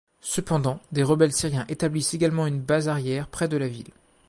Cependant des rebelles syriens établissent également une base arrière près de la ville.